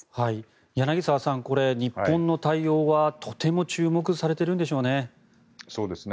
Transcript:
柳澤さんこれは日本の対応はとても注目されているんでしょうね。